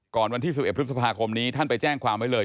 วันที่๑๑พฤษภาคมนี้ท่านไปแจ้งความไว้เลย